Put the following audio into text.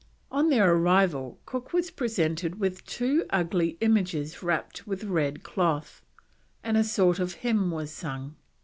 On their arrival Cook was presented with two ugly images wrapped with red cloth, and a sort of hymn was sung.